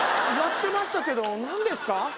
やってましたけど何ですか？